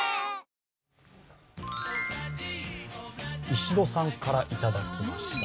石戸さんからいただきました。